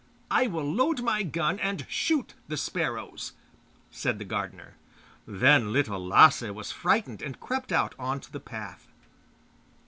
I will load my gun and shoot the sparrows,' said the gardener. Then Little Lasse was frightened, and crept out on to the path.